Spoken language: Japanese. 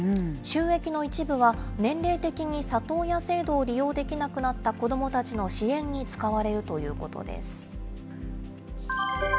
収益の一部は、年齢的に里親制度を利用できなくなった子どもたちの支援に使われるということです。